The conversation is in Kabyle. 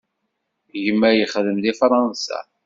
Gma yexdem deg Fṛansa.